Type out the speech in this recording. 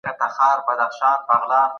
هغه یوه روښانه لاره غوره کړه.